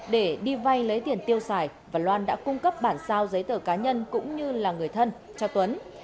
để đi vay lấy tiền tiêu xài và loan đã cung cấp bản sao giấy tờ cá nhân cũng như là người thân cho tuấn